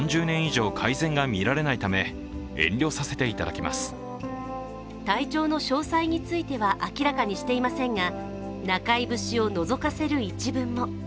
現在の体調について体調の詳細については明らかにしていませんが中居節をのぞかせる一文も。